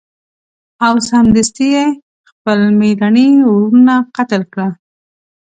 او سمدستي یې خپل میرني وروڼه قتل کړل.